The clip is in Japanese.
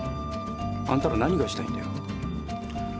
あんたら何がしたいんだよ。